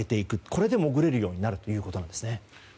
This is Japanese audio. これで潜れるようになるということです。